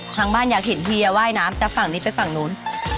ทางบ้านอยากเห็นเฮียว่ายน้ำจากฝั่งนี้ไปฝั่งนู้น